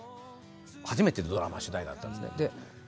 初めてのドラマ主題歌だったんですね。